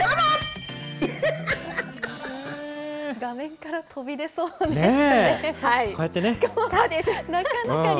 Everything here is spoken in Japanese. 画面から飛び出そうでしたね。